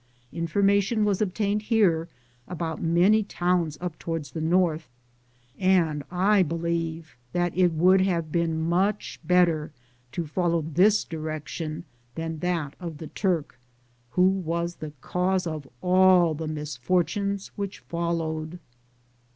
Information was obtained here about many towns up toward ligirized I:, G00gk' THE JOURNEY OP CORONADO the north, and I believe that it would have been much better to follow this direction, than that of the Turk, who was the cause of all the misfortunes which followed.